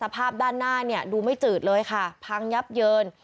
ภาพด้านหน้าเนี่ยดูไม่จืดเลยค่ะพังยับเยิน